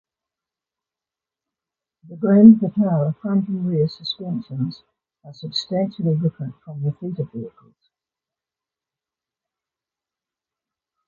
The Grand Vitara front and rear suspensions are substantially different from the Theta vehicles.